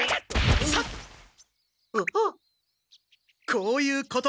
こういうこと。